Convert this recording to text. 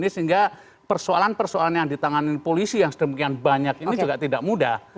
sehingga persoalan persoalan yang ditangani polisi yang sedemikian banyak ini juga tidak mudah